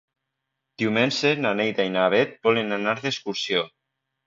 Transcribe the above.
Diumenge na Neida i na Bet volen anar d'excursió.